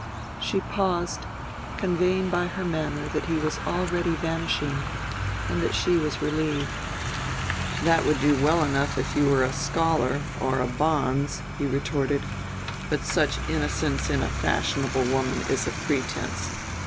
'" She paused, conveying by her manner that he was already vanishing and that she was relieved. "That would do well enough if you were a scholar, or a bonze," he retorted; "but such innocence in a fashionable woman is a pretense.